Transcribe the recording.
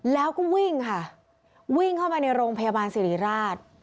แล้วก็วิ่งค่ะวิ่งเข้ามาในโรงพยาบาลสิริราช